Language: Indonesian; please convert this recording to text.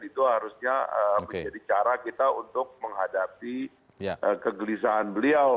itu harusnya menjadi cara kita untuk menghadapi kegelisahan beliau